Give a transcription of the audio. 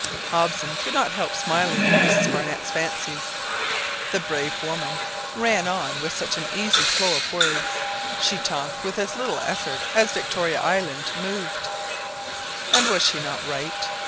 Hobson could not help smiling at Mrs Barnett's fancies. The brave woman ran on with such an easy flow of words, she talked with as little effort as Victoria Island moved. And was she not right?